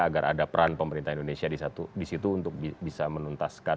agar ada peran pemerintah indonesia disitu untuk bisa menuntaskan